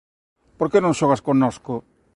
Por que non xogas connosco?